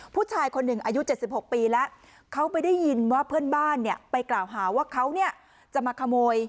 ผู้ชายคนหนึ่งอายุ๗๖ปีแล้วเขาไปได้ยินว่าเพื่อนบ้านเนี่ยไปกล่าวหาว่าเขาจะมาขโมย